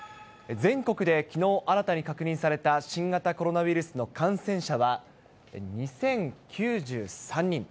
全国できのう新たに確認された新型コロナウイルスの感染者は２０９３人。